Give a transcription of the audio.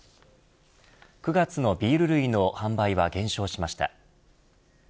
９月のビール類の販売は減少しました。